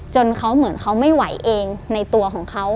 จนเขาเหมือนเขาไม่ไหวเองในตัวของเขา